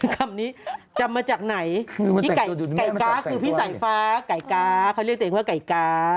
คำนี้จำมาจากไหนพี่ไก่ก๊าคือพี่สายฟ้าไก่ก๊าเขาเรียกตัวเองว่าไก่ก๊า